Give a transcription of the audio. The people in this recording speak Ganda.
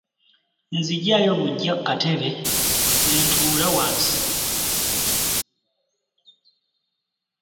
Nzigyayo buggya katebe ne ntula mu ttaka.